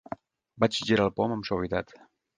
Vaig girar el pom amb suavitat.